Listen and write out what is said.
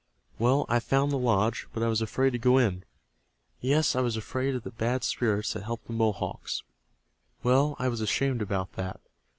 Well, I found the lodge, but I was afraid to go in. Yes, I was afraid of the Bad Spirits that help the Mohawks. Well, I was ashamed about that.